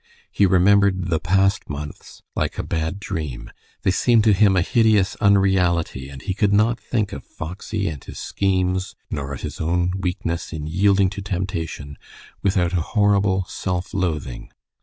He remembered the past months like a bad dream. They seemed to him a hideous unreality, and he could not think of Foxy and his schemes, nor of his own weakness in yielding to temptation, without a horrible self loathing.